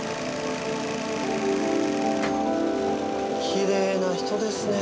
きれいな人ですね。